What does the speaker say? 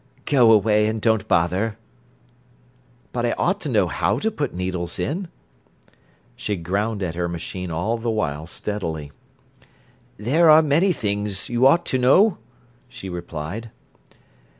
"Go away and don't bother." "But I ought to know how to put needles in." She ground at her machine all the while steadily. "There are many things you ought to know," she replied.